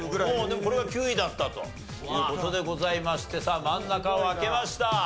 でもこれが９位だったという事でございましてさあ真ん中を開けました。